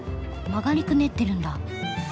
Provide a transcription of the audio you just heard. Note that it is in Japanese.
曲がりくねってるんだ。